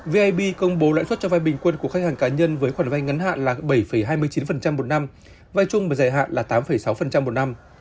vib công bố lãi suất cho vai bình quân của khách hàng cá nhân với khoản vay ngắn hạn là bảy hai mươi chín một năm vai chung và giải hạn là tám sáu một năm